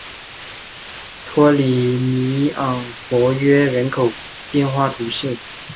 托里尼昂弗约人口变化图示